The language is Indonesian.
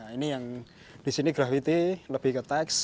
ini yang di sini grafiti lebih ke teks